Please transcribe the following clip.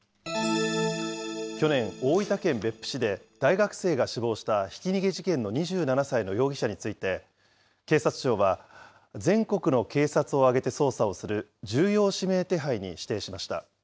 去年、大分県別府市で、大学生が死亡したひき逃げ事件の２７歳の容疑者について、警察庁は、全国の警察を挙げて捜査をする重要指名手配に指定しました。